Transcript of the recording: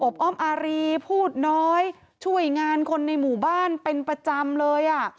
อ้อมอารีพูดน้อยช่วยงานคนในหมู่บ้านเป็นประจำเลย